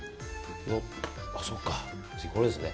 そっか、次はこれですね。